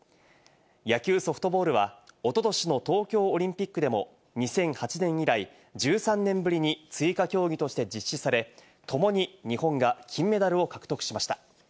野球・ソフトボールはおととしの東京オリンピックでも２００８年以来、１３年ぶりに追加競技として実施され、ともに日本が金メダルを獲得しました。